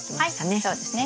はいそうですね。